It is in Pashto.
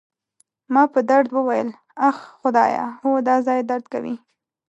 ما په درد وویل: اخ، خدایه، هو، دا ځای درد کوي.